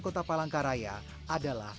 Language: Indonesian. kota palangkaraya adalah